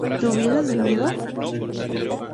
¿tú hubieses vivido?